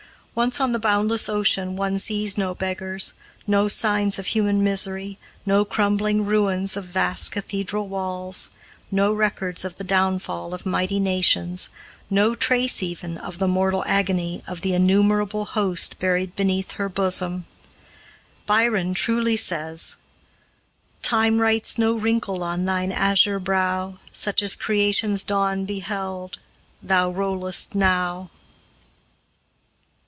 Once on the boundless ocean, one sees no beggars, no signs of human misery, no crumbling ruins of vast cathedral walls, no records of the downfall of mighty nations, no trace, even, of the mortal agony of the innumerable host buried beneath her bosom. Byron truly says: "Time writes no wrinkle on thine azure brow Such as creation's dawn beheld, thou rollest now."